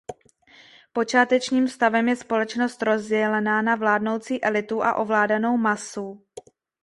Počátečním stavem je společnost rozdělená na vládnoucí elitu a ovládanou masu.